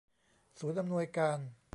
ศูนย์อำนวยการ